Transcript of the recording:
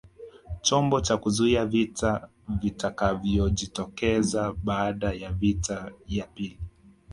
Chombo cha kuzuia vita vitakavyojitokeza baada ya vita ya pili